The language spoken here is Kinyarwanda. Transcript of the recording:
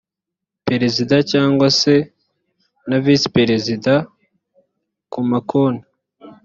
perezida cyangwa se na visi perezida ku ma konti